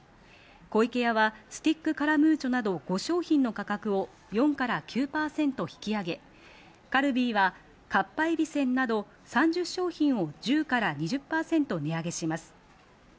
湖池屋はスティックカラムーチョなど５商品の価格を４から９％引き上げ、カルビーはかっぱえびせんなど３０商品を１０から２０％値上げします。